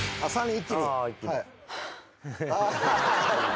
一気に。